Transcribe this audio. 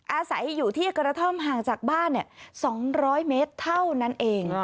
อาศัยอยู่ที่กระท่อมห่างจากบ้าน๒๐๐เมตรเท่านั้นเอง